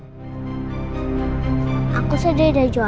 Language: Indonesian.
jantung gue malah pengen juput